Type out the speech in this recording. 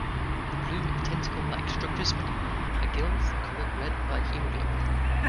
The plume of tentacle-like structures on it are gills, coloured red by haemoglobin.